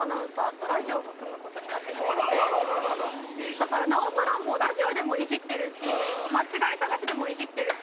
だからなおさらもうラジオでもイジってるし間違い探しでもイジってるし。